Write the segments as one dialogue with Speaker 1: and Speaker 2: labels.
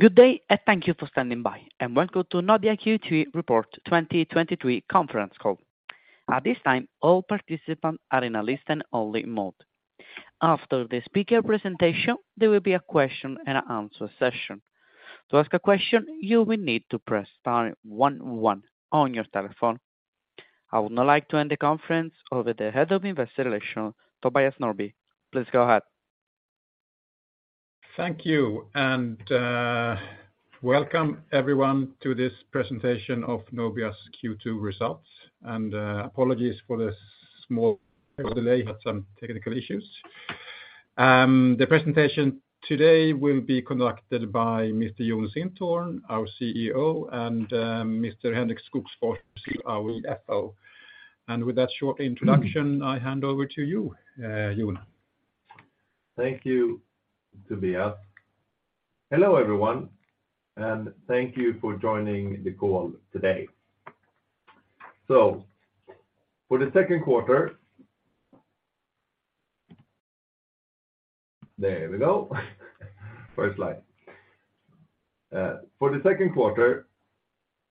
Speaker 1: Good day and thank you for standing by, and welcome to Nobia Q2 Report 2023 conference call. At this time, all participants are in a listen only mode. After the speaker presentation, there will be a question and answer session. To ask a question, you will need to press star one one on your telephone. I would now like to hand the conference over to the Head of Investor Relations, Tobias Norrby. Please go ahead.
Speaker 2: Thank you, and welcome everyone to this presentation of Nobia's Q2 results, and apologies for this small delay. We had some technical issues. The presentation today will be conducted by Mr. Jon Sintorn, our CEO, and Mr. Henrik Skogsfors, our CFO. With that short introduction, I hand over to you, Jon.
Speaker 3: Thank you, Tobias. Hello, everyone, and thank you for joining the call today. For the second quarter-- There we go. First slide. For the second quarter,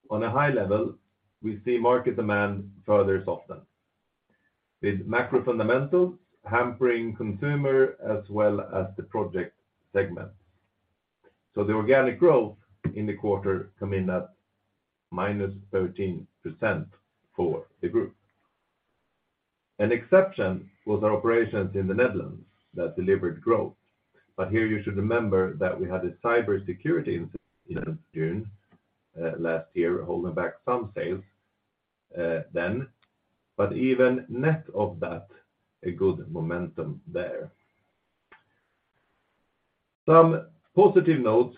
Speaker 3: on a high level, we see market demand further soften, with macro fundamentals hampering consumer as well as the project segment. The organic growth in the quarter come in at minus 13% for the group. An exception was our operations in the Netherlands that delivered growth, but here you should remember that we had a cybersecurity incident in June last year, holding back some sales then, but even net of that, a good momentum there. Some positive notes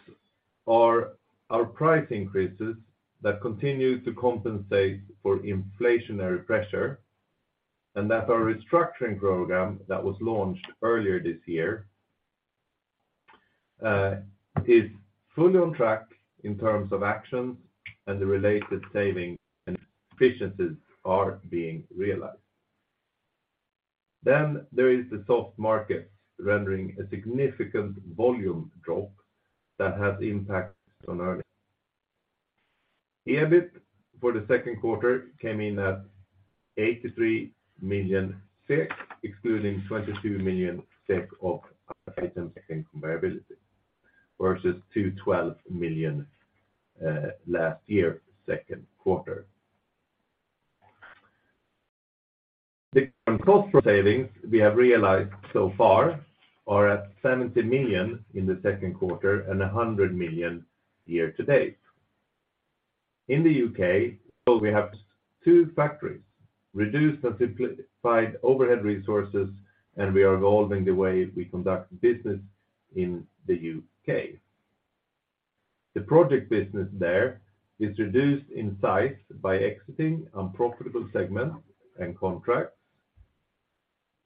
Speaker 3: are our price increases that continue to compensate for inflationary pressure, and that our restructuring program that was launched earlier this year is fully on track in terms of actions and the related saving and efficiencies are being realized. There is the soft market, rendering a significant volume drop that has impact on earnings. EBIT for the second quarter came in at 83 million, excluding 22 million of items affecting comparability, versus 212 million, last year, second quarter. The cost savings we have realized so far are at 70 million in the second quarter and 100 million year-to-date. In the UK, we have two factories, reduced and simplified overhead resources, and we are evolving the way we conduct business in the UK. The project business there is reduced in size by exiting unprofitable segments and contracts,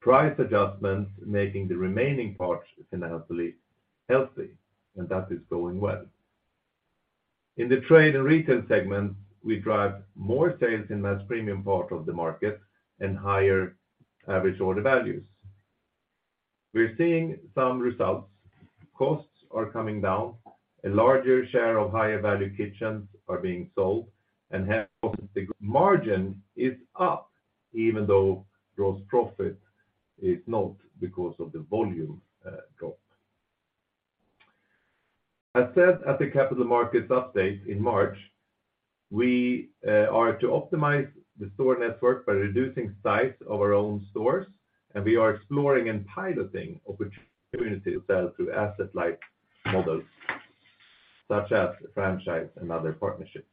Speaker 3: price adjustments, making the remaining parts financially healthy, and that is going well. In the trade and retail segment, we drive more sales in less premium part of the market and higher average order values. We're seeing some results. Costs are coming down, a larger share of higher value kitchens are being sold, therefore, the margin is up, even though gross profit is not because of the volume drop. I said at the capital markets update in March, we are to optimize the store network by reducing size of our own stores, we are exploring and piloting opportunities to sell through asset-like models, such as franchise and other partnerships.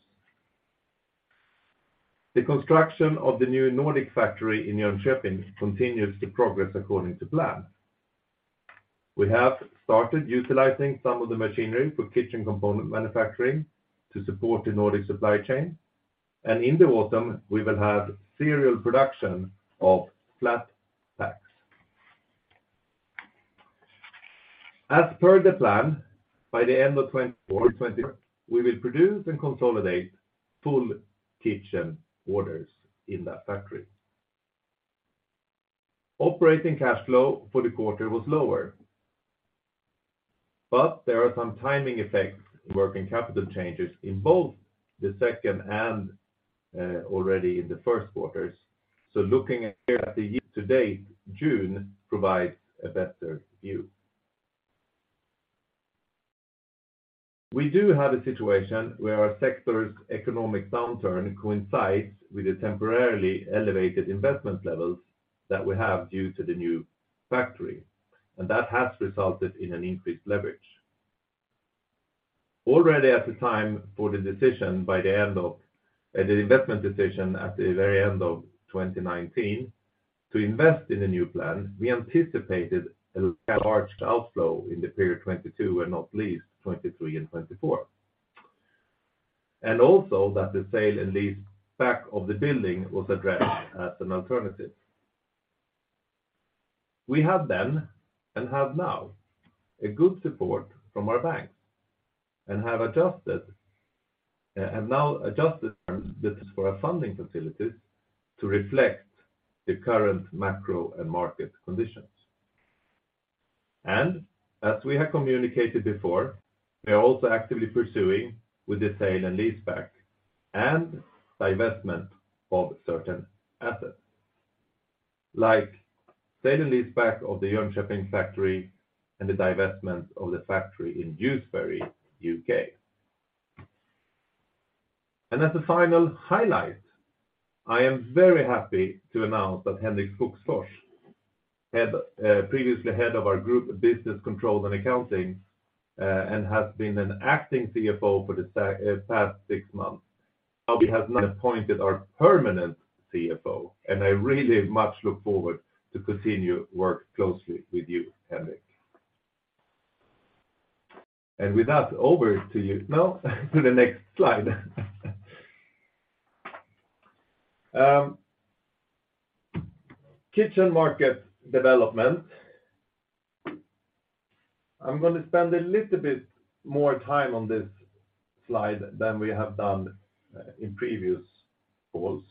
Speaker 3: The construction of the new Nordic factory in Jönköping continues to progress according to plan. We have started utilizing some of the machinery for kitchen component manufacturing to support the Nordic supply chain, in the autumn, we will have serial production of flat packs. As per the plan, by the end of 2024, we will produce and consolidate full kitchen orders in that factory. Operating cash flow for the quarter was lower, but there are some timing effects, working capital changes in both the second and already in the first quarters. Looking at the year to date, June provides a better view. We do have a situation where our sector's economic downturn coincides with the temporarily elevated investment levels that we have due to the new factory, and that has resulted in an increased leverage. Already at the time for the decision by the end of the investment decision at the very end of 2019 to invest in a new plan, we anticipated a large outflow in the period 22 and not least, 23 and 24. Also that the sale and leaseback of the building was addressed as an alternative. We had then, and have now, a good support from our banks and have adjusted. Now adjusted terms for our funding facilities to reflect the current macro and market conditions. As we have communicated before, we are also actively pursuing with the sale and leaseback and divestment of certain assets, like sale and leaseback of the Jönköping factory and the divestment of the factory in Dewsbury, UK. As a final highlight, I am very happy to announce that Henrik Skogsfors, previously Head of our Group Business Controls and Accounting, and has been an acting CFO for the past six months, now he has been appointed our permanent CFO, and I really much look forward to continue work closely with you, Henrik. With that, over to you. No, to the next slide. Kitchen market development. I'm gonna spend a little bit more time on this slide than we have done in previous calls.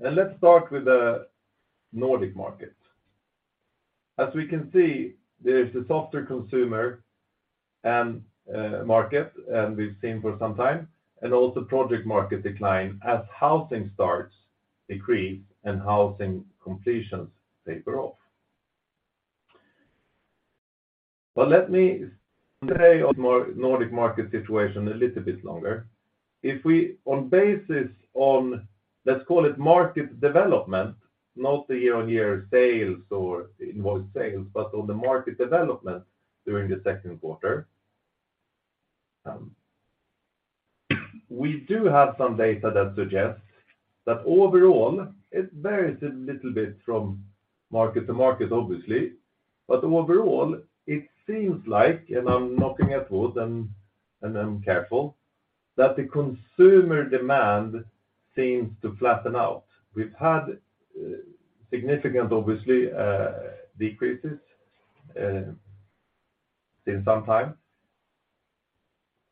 Speaker 3: Let's start with the Nordic market. As we can see, there is a softer consumer and market, and we've seen for some time, and also project market decline as housing starts decrease and housing completions taper off. Let me stay on more Nordic market situation a little bit longer. If we, on basis on, let's call it market development, not the year-on-year sales or invoice sales, but on the market development during the second quarter, we do have some data that suggests that overall, it varies a little bit from market to market, obviously. Overall, it seems like, and I'm knocking at wood, and I'm careful, that the consumer demand seems to flatten out. We've had significant, obviously, decreases since some time,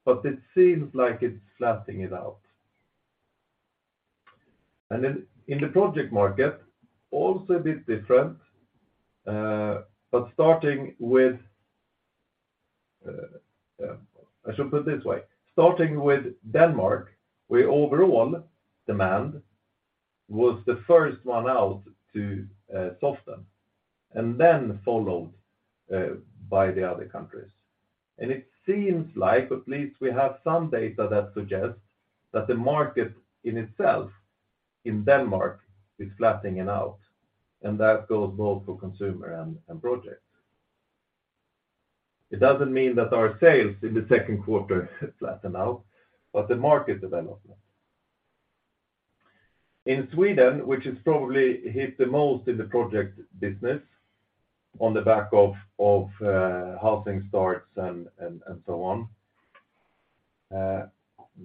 Speaker 3: but it seems like it's flattening it out. In, in the project market, also a bit different, but starting with... I should put it this way: starting with Denmark, where overall demand was the first one out to soften and then followed by the other countries. It seems like, at least we have some data that suggests, that the market in itself in Denmark is flattening it out, and that goes both for consumer and projects. It doesn't mean that our sales in the second quarter flatten out, but the market development. In Sweden, which is probably hit the most in the project business on the back of housing starts and so on,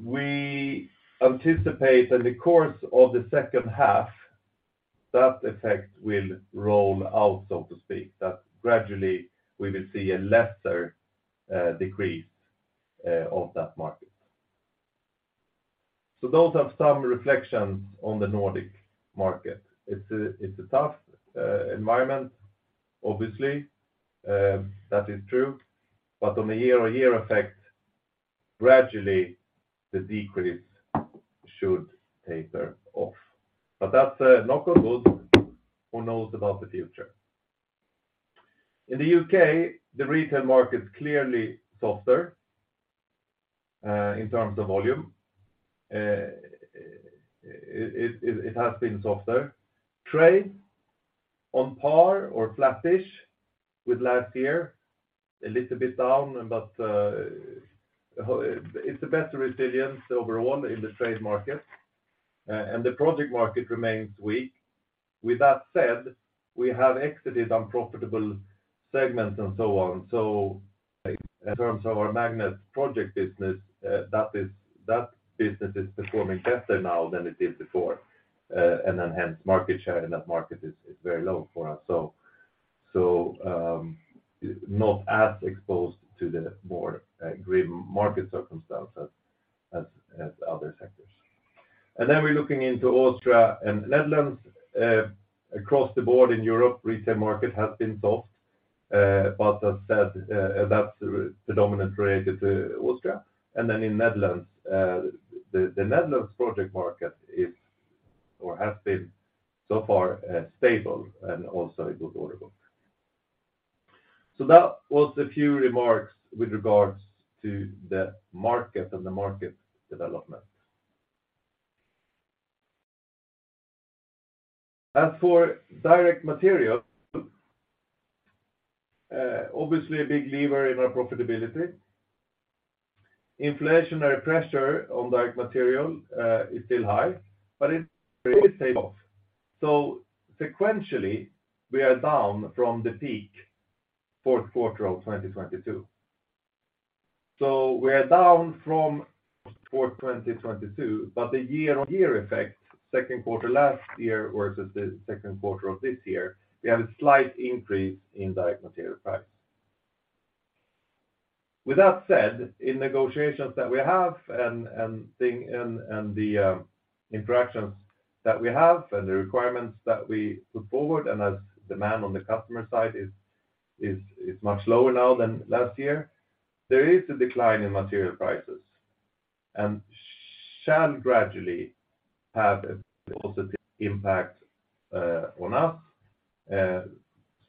Speaker 3: we anticipate in the course of the second half, that effect will roll out, so to speak, that gradually we will see a lesser decrease of that market. Those are some reflections on the Nordic market. It's a, it's a tough environment, obviously, that is true, but on a year-on-year effect, gradually, the decrease should taper off. That's knock on wood, who knows about the future? In the UK, the retail market is clearly softer in terms of volume. It has been softer. Trade, on par or flattish with last year, a little bit down, but it's a better resilience overall in the trade market, and the project market remains weak. We have exited unprofitable segments and so on. In terms of our Magnet project business, that business is performing better now than it did before, and enhanced market share in that market is very low for us. Not as exposed to the more grim market circumstances as other sectors. We're looking into Austria and Netherlands, across the board in Europe, retail market has been soft, but as said, that's predominantly related to Austria. In Netherlands, the Netherlands project market is or has been so far stable and also a good order book. That was a few remarks with regards to the market and the market development. As for direct material, obviously a big lever in our profitability. Inflationary pressure on direct material is still high, but it stayed off. Sequentially, we are down from the peak fourth quarter of 2022. We are down from Q4 2022, but the year-on-year effect, second quarter last year versus the second quarter of this year, we have a slight increase in direct material price. With that said, in negotiations that we have and thing, and the interactions that we have, and the requirements that we put forward, and as demand on the customer side is much lower now than last year, there is a decline in material prices, and shall gradually have a positive impact on us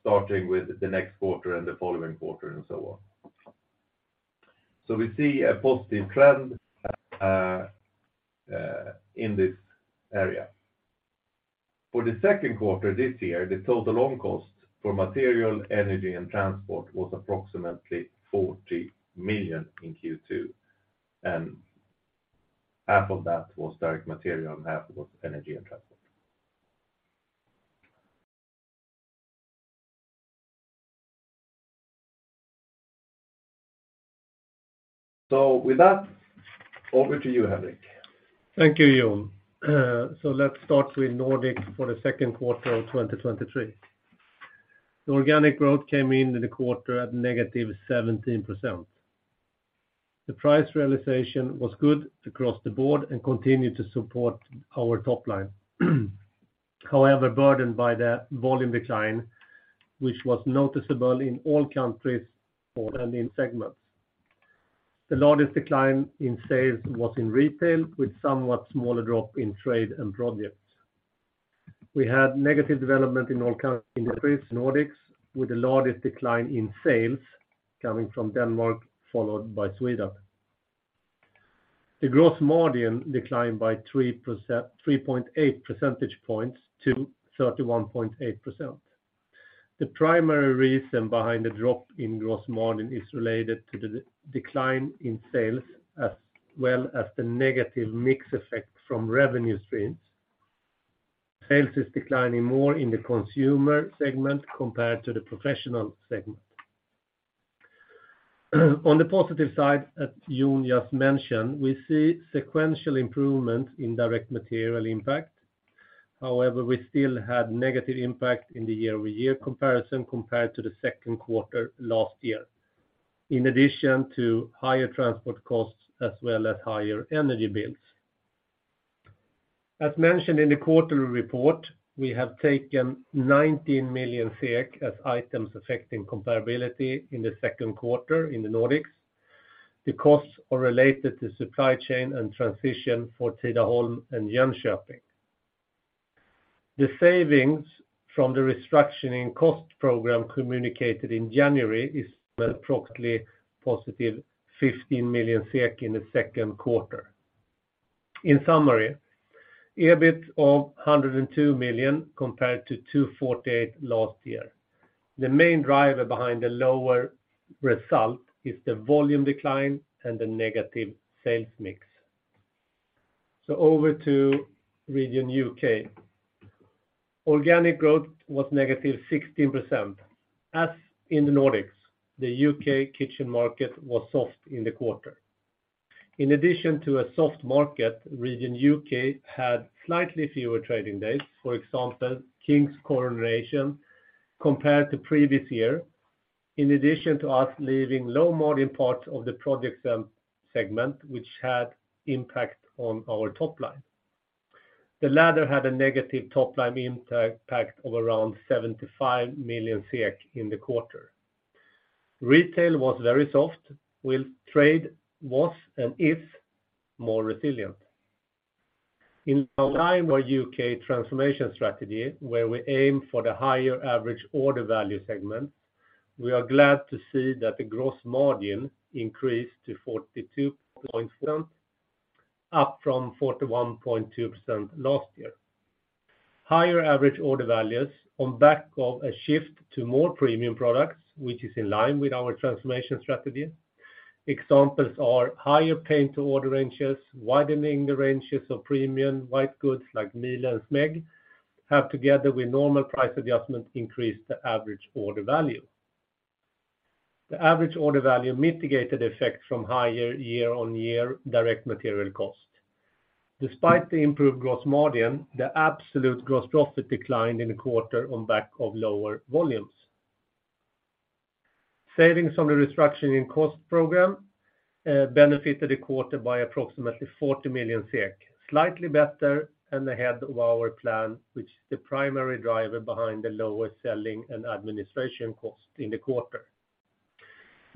Speaker 3: starting with the next quarter and the following quarter, and so on. We see a positive trend in this area. For the second quarter this year, the total loan cost for material, energy, and transport was approximately 40 million in Q2, and half of that was direct material, and half was energy and transport. With that, over to you, Henrik.
Speaker 4: Thank you, Jon. Let's start with Nordic for the second quarter of 2023. The organic growth came in in the quarter at negative 17%. The price realization was good across the board and continued to support our top line. However, burdened by the volume decline, which was noticeable in all countries and in segments. The largest decline in sales was in retail, with somewhat smaller drop in trade and projects. We had negative development in all countries, in Nordics, with the largest decline in sales coming from Denmark, followed by Sweden. The gross margin declined by 3%, 3.8 percentage points to 31.8%. The primary reason behind the drop in gross margin is related to the decline in sales, as well as the negative mix effect from revenue streams. Sales is declining more in the consumer segment compared to the professional segment. On the positive side, as Jon just mentioned, we see sequential improvement in direct material impact. However, we still had negative impact in the year-over-year comparison compared to the second quarter last year, in addition to higher transport costs as well as higher energy bills. As mentioned in the quarterly report, we have taken 19 million as items affecting comparability in the second quarter in the Nordics. The costs are related to supply chain and transition for Tidaholm and Jönköping. The savings from the restructuring cost program communicated in January is approximately positive 15 million SEK in the second quarter. In summary, EBIT of 102 million, compared to 248 last year. The main driver behind the lower result is the volume decline and the negative sales mix. Over to Region UK. Organic growth was negative 16%. As in the Nordics, the UK kitchen market was soft in the quarter. In addition to a soft market, Region UK had slightly fewer trading days, for example, King's Coronation, compared to previous year, in addition to us leaving low-margin parts of the project segment, which had impact on our top line. The latter had a negative top-line impact of around 75 million SEK in the quarter. Retail was very soft, while trade was and is more resilient. In line with our UK transformation strategy, where we aim for the higher average order value segment, we are glad to see that the gross margin increased to 42.4%, up from 41.2% last year. Higher average order values on back of a shift to more premium products, which is in line with our transformation strategy. Examples are higher paint to order ranges, widening the ranges of premium white goods like Miele and Smeg, have, together with normal price adjustments, increased the average order value. The average order value mitigated effect from higher year-on-year direct material cost. Despite the improved gross margin, the absolute gross profit declined in the quarter on back of lower volumes. Savings on the restructuring and cost program benefited the quarter by approximately 40 million SEK, slightly better and ahead of our plan, which is the primary driver behind the lower selling and administration cost in the quarter.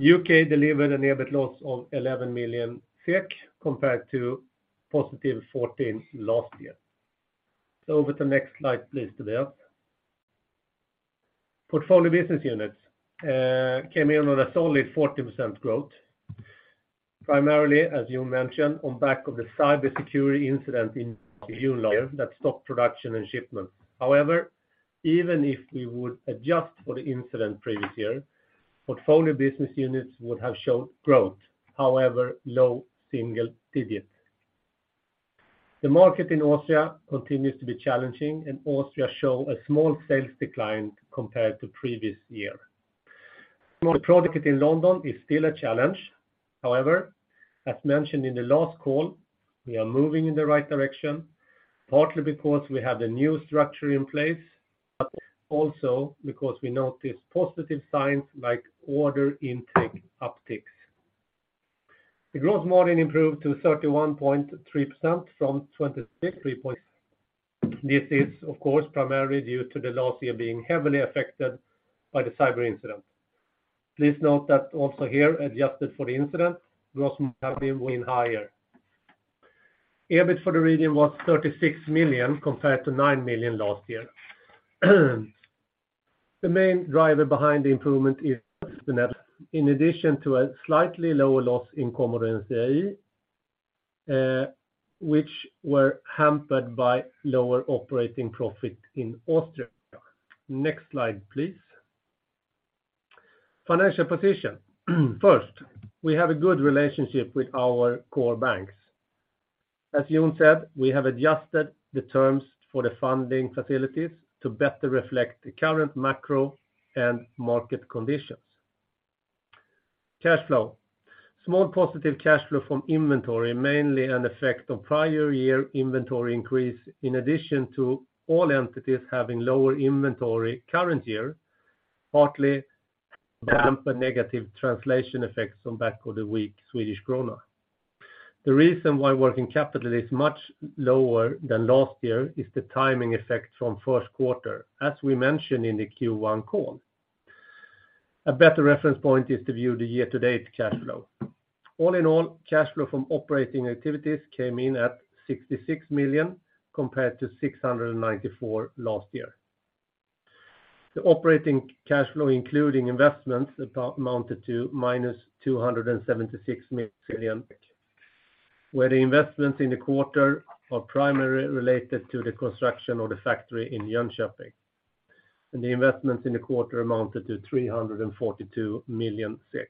Speaker 4: UK delivered an EBIT loss of 11 million SEK, compared to positive 14 last year. Over to the next slide, please, Tobias. Portfolio Business Units came in on a solid 40% growth, primarily, as you mentioned, on back of the cybersecurity incident in June last year that stopped production and shipment. However, even if we would adjust for the incident previous year, Portfolio Business Units would have showed growth, however, low single digits. The market in Austria continues to be challenging, and Austria show a small sales decline compared to previous year. The project in London is still a challenge. However, as mentioned in the last call, we are moving in the right direction, partly because we have the new structure in place. Also, because we notice positive signs like order intake upticks. The gross margin improved to 31.3% from 26.3%. This is, of course, primarily due to the last year being heavily affected by the cyber incident. Please note that also here, adjusted for the incident, gross margin went higher. EBIT for the region was 36 million, compared to 9 million last year. The main driver behind the improvement is the net. In addition to a slightly lower loss in Commodore and CIE, which were hampered by lower operating profit in Austria. Next slide, please. Financial position. First, we have a good relationship with our core banks. As Jon said, we have adjusted the terms for the funding facilities to better reflect the current macro and market conditions. Cash flow. Small positive cash flow from inventory, mainly an effect of prior year inventory increase, in addition to all entities having lower inventory current year, partly by hampered negative translation effects on back of the weak Swedish krona. The reason why working capital is much lower than last year is the timing effect from first quarter, as we mentioned in the Q1 call. A better reference point is to view the year-to-date cash flow. All in all, cash flow from operating activities came in at 66 million SEK, compared to 694 million SEK last year. The operating cash flow, including investments, amounted to minus 276 million SEK, where the investments in the quarter are primarily related to the construction of the factory in Jönköping, and the investments in the quarter amounted to 342 million SEK.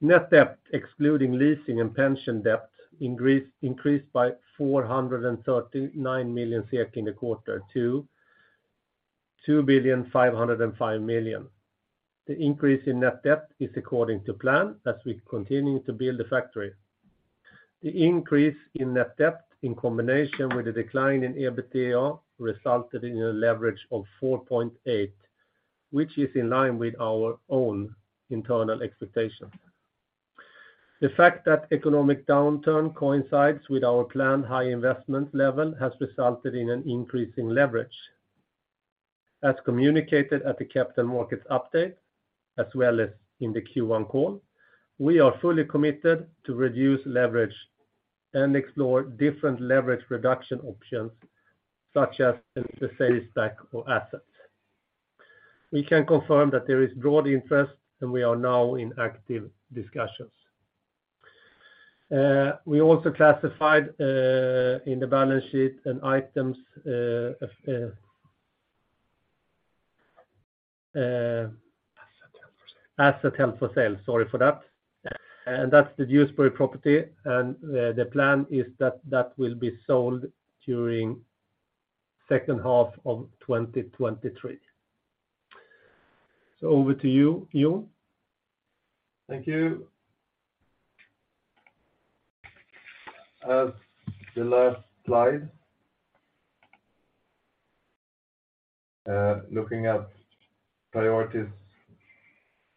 Speaker 4: Net debt, excluding leasing and pension debt, increased by 439 million SEK in the quarter to 2,505 million SEK. The increase in net debt is according to plan, as we continue to build the factory. The increase in net debt, in combination with the decline in EBITDA, resulted in a leverage of 4.8, which is in line with our own internal expectations. The fact that economic downturn coincides with our planned high investment level has resulted in an increase in leverage. As communicated at the capital markets update, as well as in the Q1 call, we are fully committed to reduce leverage and explore different leverage reduction options, such as the sale stack or assets. We can confirm that there is broad interest, and we are now in active discussions. We also classified in the balance sheet and items.
Speaker 5: Asset held for sale.
Speaker 4: Asset held for sale, sorry for that. That's the Dewsbury property, and the plan is that that will be sold during second half of 2023. Over to you, Jon.
Speaker 3: Thank you. As the last slide, looking at priorities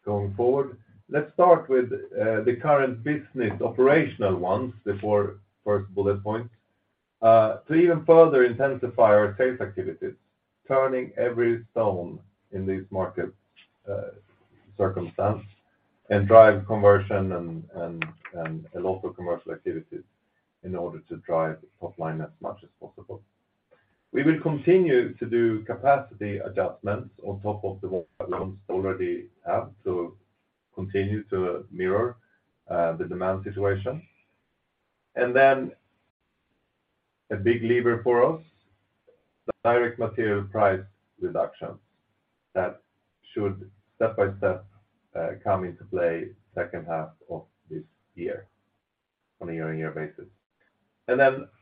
Speaker 3: going forward, let's start with the current business operational ones, the four first bullet point. To even further intensify our sales activities, turning every stone in this market circumstance, and drive conversion and a lot of commercial activities in order to drive offline as much as possible. We will continue to do capacity adjustments on top of the ones we already have to continue to mirror the demand situation. A big lever for us, the direct material price reduction, that should step by step come into play second half of this year on a year-on-year basis.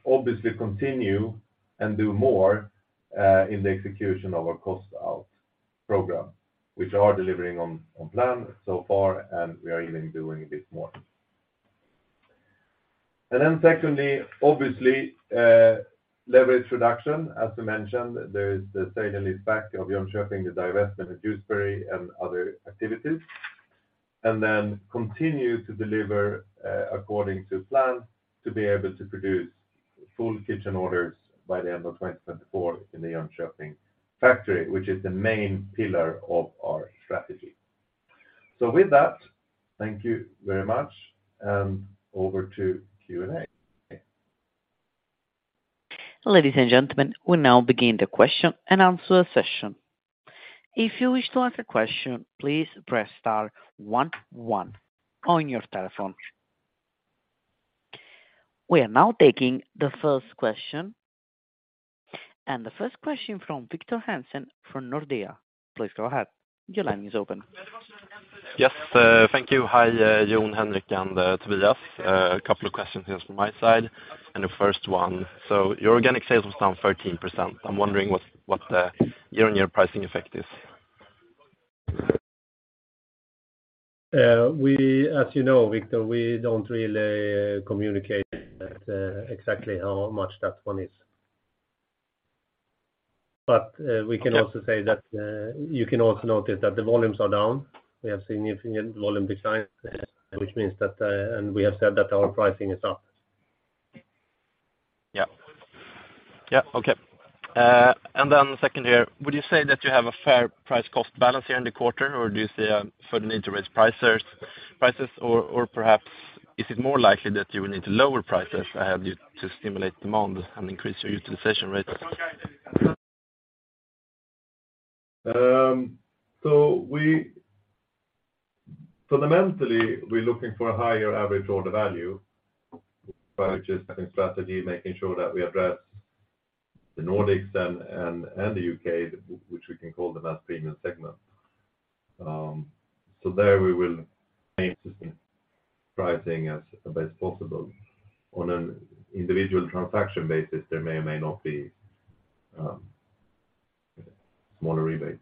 Speaker 3: Obviously continue and do more in the execution of our cost out program, which are delivering on plan so far, and we are even doing a bit more. Secondly, obviously, leverage reduction. As I mentioned, there is the sale and leaseback of Jönköping, the divestment of Dewsbury, and other activities. Continue to deliver, according to plan, to be able to produce full kitchen orders by the end of 2024 in the Jönköping factory, which is the main pillar of our strategy. With that, thank you very much, and over to Q&A.
Speaker 1: Ladies and gentlemen, we now begin the question and answer session. If you wish to ask a question, please press star one one on your telephone. We are now taking the first question. The first question from Victor Hansen, from Nordea. Please go ahead. Your line is open.
Speaker 5: Yes, thank you. Hi, Jon, Henrik, and Tobias. A couple of questions here from my side. The first one, your organic sales was down 13%. I'm wondering what the year-on-year pricing effect is?
Speaker 4: We, as you know, Victor, we don't really communicate, exactly how much that one is. We can also say that, you can also notice that the volumes are down. We have significant volume decline, which means that, we have said that our pricing is up.
Speaker 5: Yeah. Yeah, okay. Second here, would you say that you have a fair price cost balance here in the quarter, or do you see a further need to raise prices? Or perhaps is it more likely that you will need to lower prices, to stimulate demand and increase your utilization rates?
Speaker 3: Fundamentally, we're looking for a higher average order value by just having strategy, making sure that we address the Nordics and the UK, which we can call the best premium segment. There we will maintain pricing as the best possible. On an individual transaction basis, there may or may not be smaller rebates.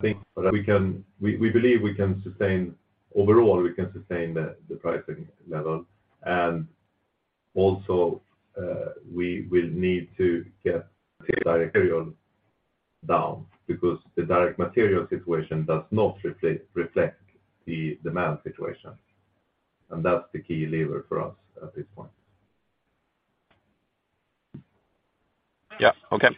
Speaker 3: I think, but we believe we can sustain, overall, we can sustain the pricing level. Also, we will need to get the direct material down because the direct material situation does not reflect the demand situation, and that's the key lever for us at this point.
Speaker 5: Yeah. Okay.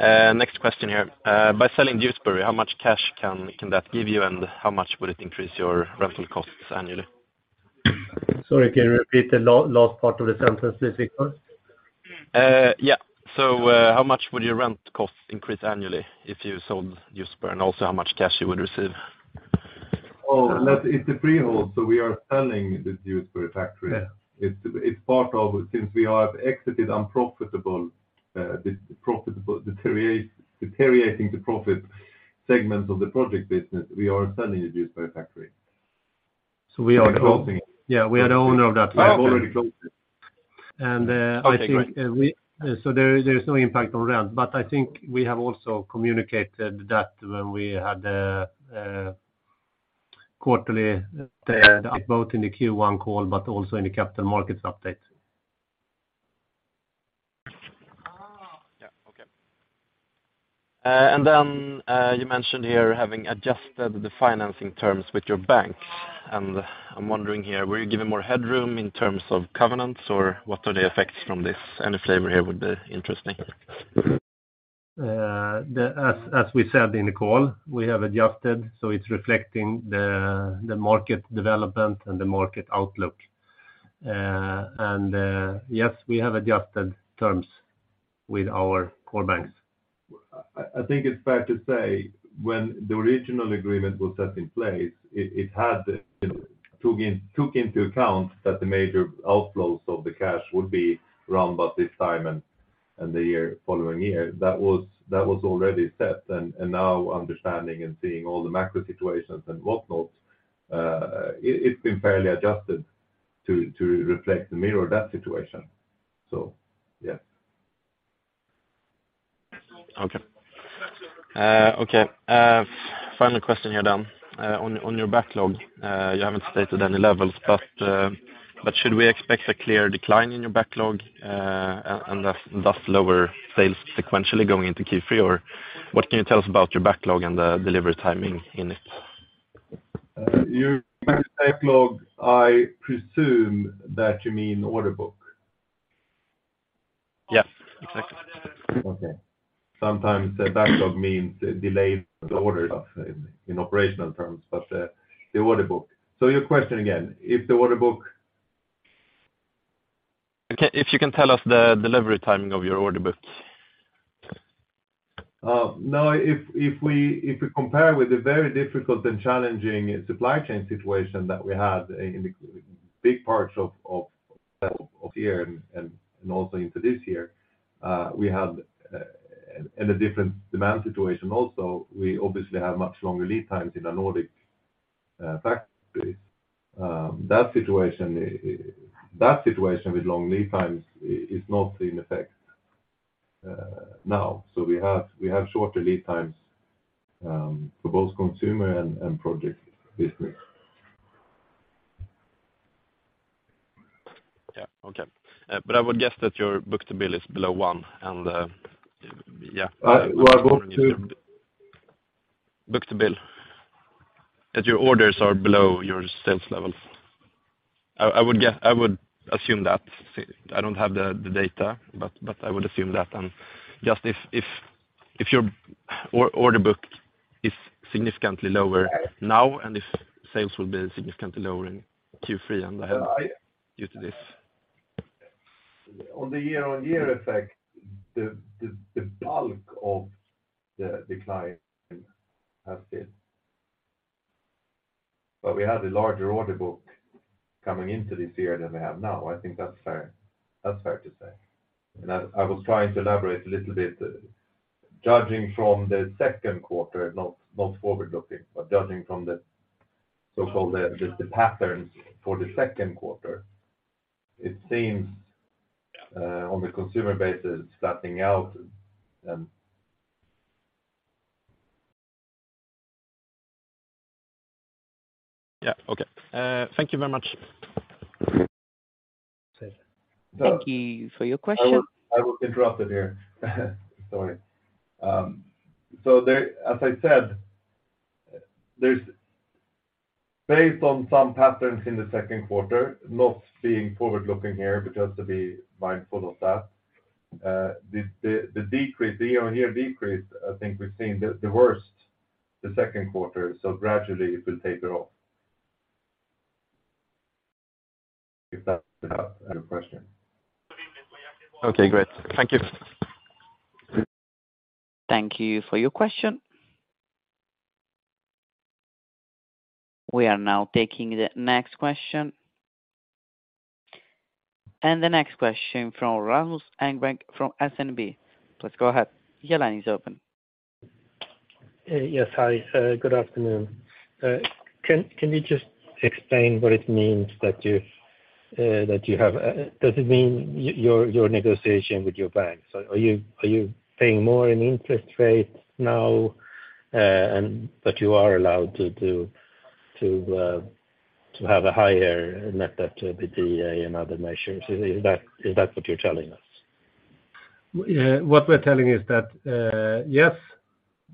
Speaker 5: Next question here. By selling Dewsbury, how much cash can that give you, and how much will it increase your rental costs annually?
Speaker 4: Sorry, can you repeat the last part of the sentence please, Victor?
Speaker 5: Yeah. How much would your rent costs increase annually if you sold Dewsbury, and also, how much cash you would receive?
Speaker 3: Oh, that's, it's a pre-hold. We are selling the Dewsbury factory.
Speaker 5: Yeah.
Speaker 3: We have exited unprofitable, this profitable deteriorating the profit segment of the project business, we are selling the Dewsbury factory.
Speaker 4: we are-
Speaker 3: Closing it.
Speaker 4: We are the owner of that factory.
Speaker 3: Closing.
Speaker 4: And,
Speaker 5: Okay, great....
Speaker 4: I think, we, there's no impact on rent, but I think we have also communicated that when we had quarterly, both in the Q1 call, but also in the capital markets update.
Speaker 5: Yeah. Okay. You mentioned here having adjusted the financing terms with your banks, and I'm wondering here, were you given more headroom in terms of covenants, or what are the effects from this? Any flavor here would be interesting.
Speaker 4: As we said in the call, we have adjusted, so it's reflecting the market development and the market outlook. Yes, we have adjusted terms with our core banks.
Speaker 3: I think it's fair to say, when the original agreement was set in place, it had, you know, took into account that the major outflows of the cash would be around about this time and the year, following year. That was already set, now understanding and seeing all the macro situations and what not, it's been fairly adjusted to reflect and mirror that situation. Yeah.
Speaker 5: Okay. Okay, final question here, then. On your backlog, you haven't stated any levels, but should we expect a clear decline in your backlog and thus lower sales sequentially going into Q3? What can you tell us about your backlog and the delivery timing in it?
Speaker 3: Your backlog, I presume that you mean order book?
Speaker 5: Yeah, exactly.
Speaker 3: Okay. Sometimes the backlog means delayed order in operational terms, but the order book. Your question again, if the order book?
Speaker 5: Okay, if you can tell us the delivery timing of your order books.
Speaker 3: Now, if we, if we compare with the very difficult and challenging supply chain situation that we had in the big parts of last year and also into this year, we had and a different demand situation also, we obviously have much longer lead times in the Nordic factories. That situation with long lead times is not in effect now. We have shorter lead times for both consumer and project business.
Speaker 5: Yeah. Okay. I would guess that your book-to-bill is below one, and, yeah.
Speaker 3: Uh, we're going to-
Speaker 5: Book-to-bill, that your orders are below your sales levels. I would guess, I would assume that. I don't have the data, but I would assume that. Just if your order book is significantly lower now, and if sales will be significantly lower in Q3 and ahead due to this.
Speaker 3: On the year-on-year effect, the bulk of the decline has been. We had a larger order book coming into this year than we have now. I think that's fair, that's fair to say. I was trying to elaborate a little bit, judging from the second quarter, not forward-looking, but judging from the, so-called the patterns for the second quarter, it seems on the consumer basis, flatting out.
Speaker 5: Yeah. Okay, thank you very much.
Speaker 1: Thank you for your question.
Speaker 3: I will interrupt it here. Sorry. There, as I said, there's based on some patterns in the second quarter, not being forward-looking here, because to be mindful of that, the decrease, the year-on-year decrease, I think we've seen the worst, the second quarter. Gradually it will take off. If that's the answer your question.
Speaker 5: Okay, great. Thank you.
Speaker 1: Thank you for your question. We are now taking the next question. The next question from Rasmus Engberg from Handelsbanken. Please go ahead. Your line is open.
Speaker 6: Yes. Hi, good afternoon. Can you just explain what it means that you have... Does it mean your negotiation with your bank? Are you paying more in interest rates now, and but you are allowed to do, to have a higher net debt to EBITDA and other measures? Is that what you're telling us?
Speaker 3: What we're telling is that, yes,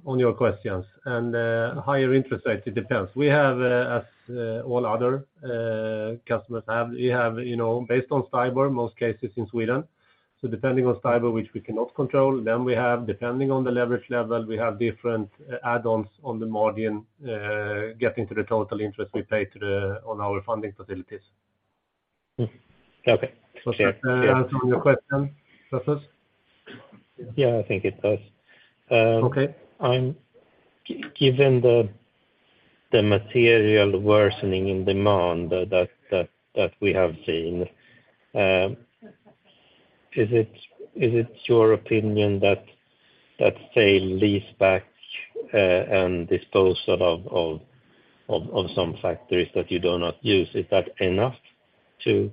Speaker 3: on your questions and higher interest rates, it depends. We have, as all other customers have, we have, you know, based on fiber, most cases in Sweden. Depending on fiber, which we cannot control, then we have, depending on the leverage level, we have different add-ons on the margin, getting to the total interest we pay on our funding facilities.
Speaker 6: Okay.
Speaker 3: Does that answer your question, Rasmus?
Speaker 6: Yeah, I think it does.
Speaker 3: Okay.
Speaker 6: Given the material worsening in demand that we have seen, is it your opinion that, say, lease back, and dispose of some factories that you do not use, is that enough to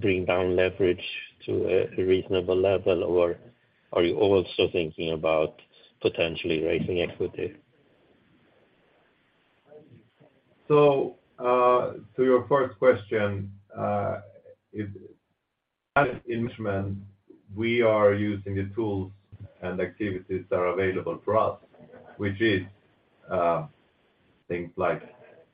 Speaker 6: bring down leverage to a reasonable level? Are you also thinking about potentially raising equity?
Speaker 3: To your first question, as management, we are using the tools and activities that are available for us, which is things like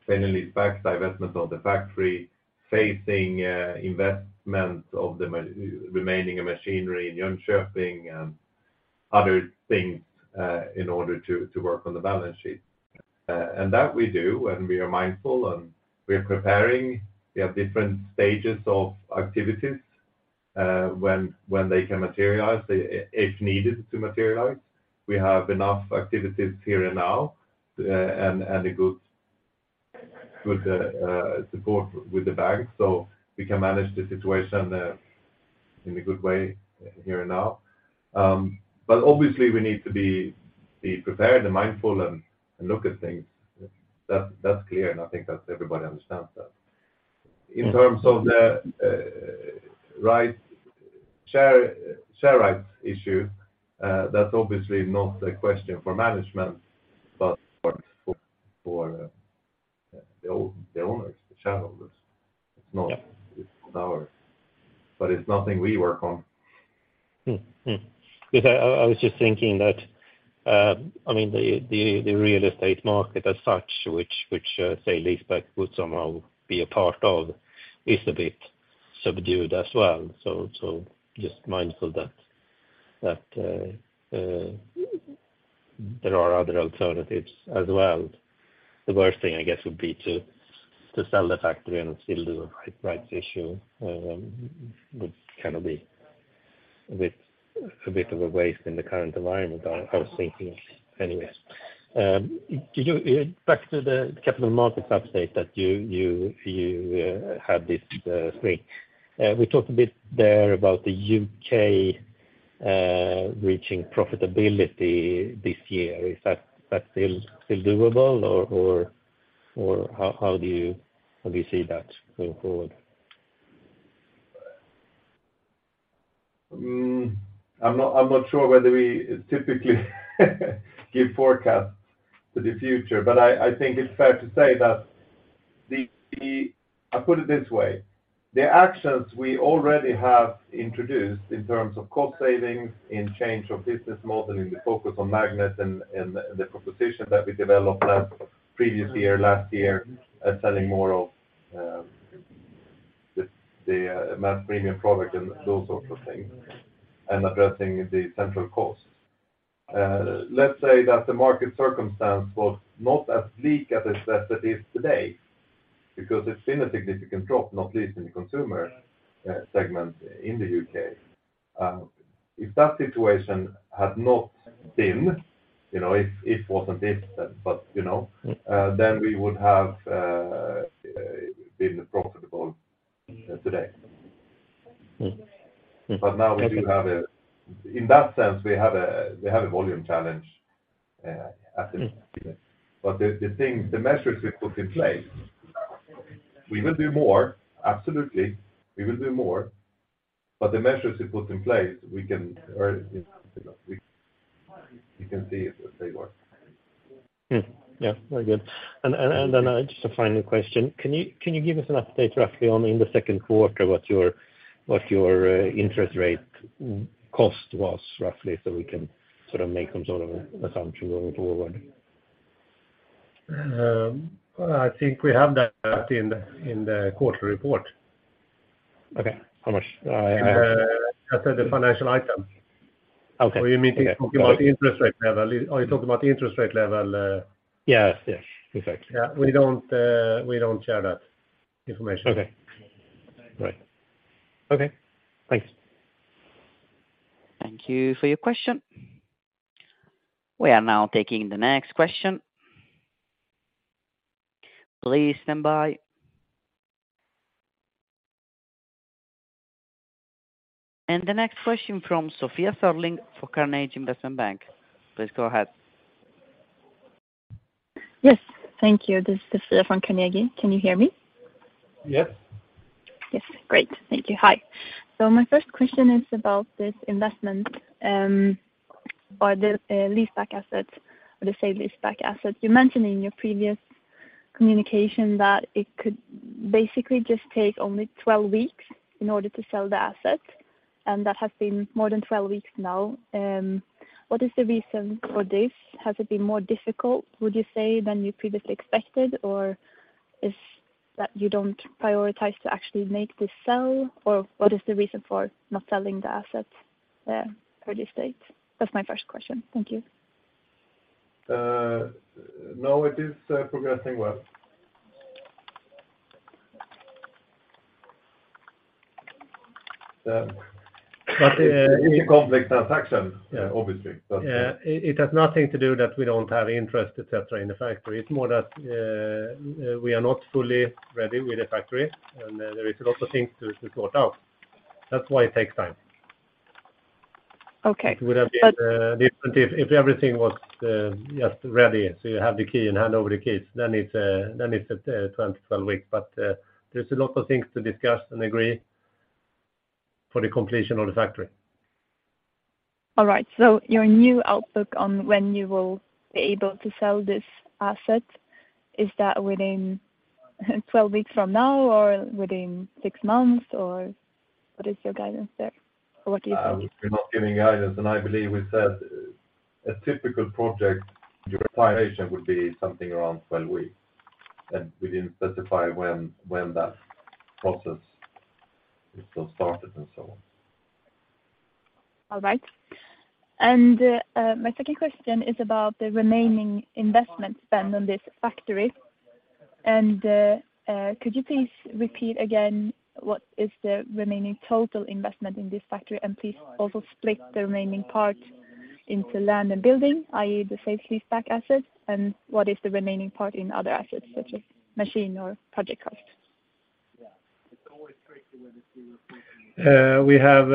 Speaker 3: finally back divestment of the factory, facing investment of the remaining machinery in Jönköping and other things in order to work on the balance sheet. And that we do, and we are mindful, and we are preparing. We have different stages of activities when they can materialize if needed to materialize. We have enough activities here and now, and a good support with the bank, so we can manage the situation in a good way here and now. But obviously, we need to be prepared and mindful and look at things. That's clear, and I think that everybody understands that.
Speaker 6: Mm-hmm.
Speaker 3: In terms of the, right, share rights issue, that's obviously not a question for management, but for the owners, the shareholders.
Speaker 6: Yeah.
Speaker 3: It's not ours, but it's nothing we work on.
Speaker 6: I was just thinking that, I mean, the, the real estate market as such, which, say, lease back would somehow be a part of, is a bit subdued as well. Just mindful that, there are other alternatives as well. The worst thing, I guess, would be to sell the factory and still do a right, rights issue, would kind of be with a bit of a waste in the current environment, I was thinking. Back to the capital market update that you, you, had this, spring. We talked a bit there about the U.K., reaching profitability this year. Is that still doable, or how do you see that going forward?
Speaker 3: I'm not sure whether we typically give forecasts for the future, but I think it's fair to say that the... I put it this way: the actions we already have introduced in terms of cost savings, in change of business model, in the focus on Magnet and the proposition that we developed last, previous year, last year, are selling more of the mass premium product and those sorts of things, and addressing the central cost. Let's say that the market circumstance was not as bleak as it is today, because it's been a significant drop, not least in the consumer segment in the UK. If that situation had not been, you know, if it wasn't this, then, you know. We would have been profitable today. In that sense, we have a volume challenge, at the moment. The things, the measures we put in place. We will do more. Absolutely, we will do more, the measures we put in place, we can earn, you know, you can see if they work.
Speaker 6: Yeah, very good. Just a final question. Can you give us an update roughly on in the second quarter, what your interest rate cost was roughly so we can sort of make some sort of assumption going forward?
Speaker 4: Well, I think we have that in the, in the quarterly report.
Speaker 6: Okay. How much?
Speaker 4: I said the financial item.
Speaker 6: Okay.
Speaker 4: You mean talking about the interest rate level? Are you talking about the interest rate level?
Speaker 6: Yes, yes, exactly.
Speaker 4: Yeah, we don't, we don't share that information.
Speaker 6: Okay. Right. Okay. Thanks.
Speaker 1: Thank you for your question. We are now taking the next question. Please stand by. The next question from Sophia Serling for Carnegie Investment Bank. Please go ahead.
Speaker 7: Yes, thank you. This is Sophia from Carnegie. Can you hear me?
Speaker 3: Yes.
Speaker 7: Yes. Great. Thank you. Hi. My first question is about this investment, or the leaseback assets or the sale leaseback assets. You mentioned in your previous communication that it could basically just take only 12 weeks in order to sell the asset. That has been more than 12 weeks now. What is the reason for this? Has it been more difficult, would you say, than you previously expected, or is that you don't prioritize to actually make this sell? What is the reason for not selling the assets for this date? That's my first question. Thank you.
Speaker 3: No, it is progressing well. It's a complex transaction, obviously.
Speaker 4: Yeah, it has nothing to do that we don't have interest, et cetera, in the factory. It's more that we are not fully ready with the factory, and there is a lot of things to sort out. That's why it takes time.
Speaker 7: Okay.
Speaker 4: It would have been different if everything was just ready, so you have the key and hand over the keys, then it's a 2012 week. There's a lot of things to discuss and agree for the completion of the factory.
Speaker 7: All right. Your new outlook on when you will be able to sell this asset, is that within 12 weeks from now or within six months, or what is your guidance there? Or what do you think?
Speaker 3: We're not giving guidance, and I believe we said a typical project, your plan would be something around 12 weeks, and we didn't specify when that process is so started and so on.
Speaker 7: All right. My second question is about the remaining investment spend on this factory. Could you please repeat again, what is the remaining total investment in this factory? Please also split the remaining part into land and building, i.e., the sale leaseback assets, and what is the remaining part in other assets, such as machine or project cost?
Speaker 3: We have,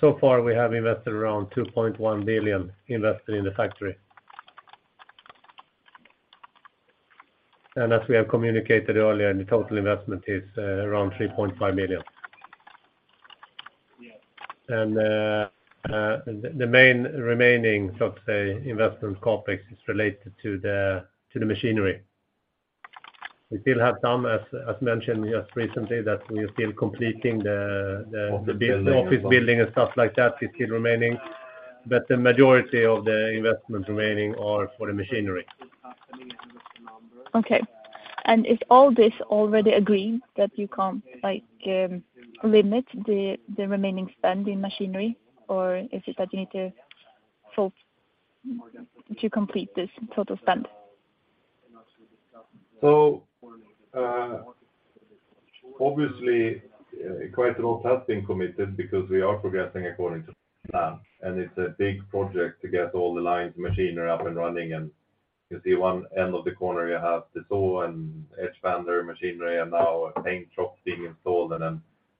Speaker 3: so far, we have invested around 2.1 billion invested in the factory. As we have communicated earlier, the total investment is, around 3.5 billion.
Speaker 7: Yes.
Speaker 3: The main remaining, so to say, investment CapEx, is related to the machinery. We still have some, as mentioned just recently, that we are still completing.
Speaker 4: Office building.
Speaker 3: Office building and stuff like that, is still remaining, but the majority of the investment remaining are for the machinery.
Speaker 7: Okay. Is all this already agreed that you can't, like, limit the remaining spend in machinery, or is it that you need to complete this total spend?
Speaker 3: Obviously, quite a lot has been committed because we are progressing according to plan, and it's a big project to get all the lines, machinery up and running, and you see one end of the corner, you have the saw and expander machinery and now a paint shop being installed and a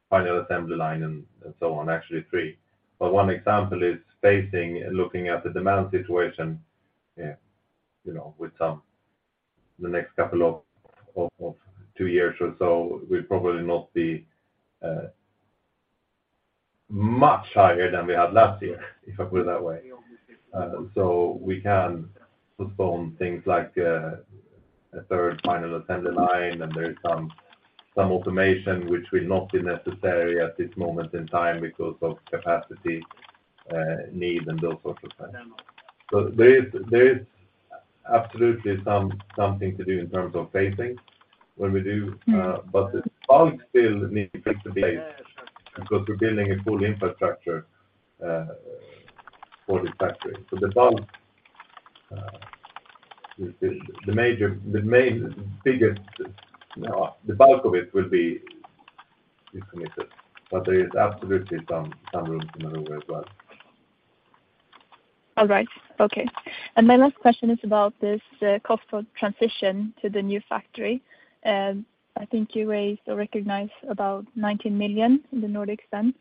Speaker 3: final assembly line and so on, actually three. One example is phasing, looking at the demand situation, yeah, you know, with some, the next couple of two years or so, we'll probably not be much higher than we had last year, if I put it that way. We can postpone things like, a third final assembly line, and there is some automation which will not be necessary at this moment in time because of capacity, need and those sorts of things. There is absolutely something to do in terms of phasing when we. The bulk still needs to take place because we're building a full infrastructure for the factory. The bulk, the major, the main, biggest, the bulk of it will be committed, but there is absolutely some room to maneuver as well.
Speaker 7: All right. Okay. My last question is about this cost for transition to the new factory. I think you raised or recognized about 19 million in the Nordic sense.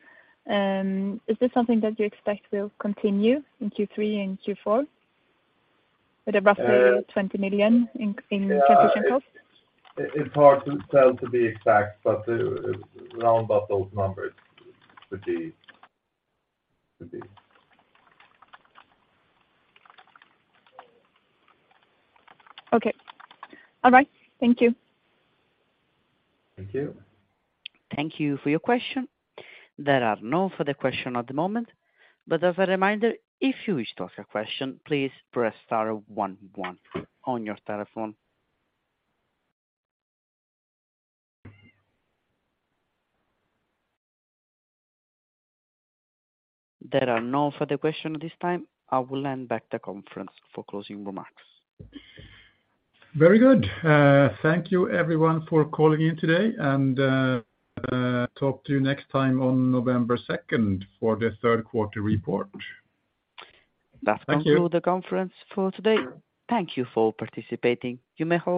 Speaker 7: Is this something that you expect will continue in Q3 and Q4 with roughly 20 million in transition cost?
Speaker 3: It's hard to tell, to be exact, but around about those numbers could be.
Speaker 7: Okay. All right. Thank you.
Speaker 3: Thank you.
Speaker 1: Thank you for your question. There are no further question at the moment. As a reminder, if you wish to ask a question, please press star one one on your telephone. There are no further question at this time. I will hand back the conference for closing remarks.
Speaker 4: Very good. Thank you, everyone, for calling in today, and talk to you next time on November second for the third quarter report.
Speaker 1: That conclude-
Speaker 4: Thank you....
Speaker 1: the conference for today. Thank you for participating. You may hang up.